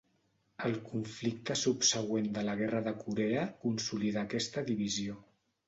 El conflicte subsegüent de la guerra de Corea consolidà aquesta divisió.